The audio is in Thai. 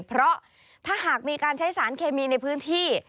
เพราะถ้าหากมีการใช้สารเคมีในพื้นที่